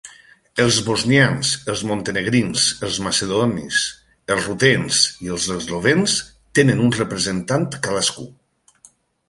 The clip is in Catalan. Els bosnians, els montenegrins, els macedonis, els rutens i els eslovens tenen un representant cadascú.